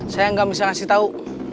saya gak bisa kasih tahu